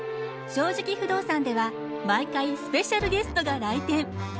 「正直不動産」では毎回スペシャルゲストが来店。